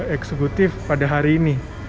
eksekutif pada hari ini